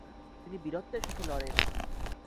তিনি বীরত্বের সাথে লড়েন।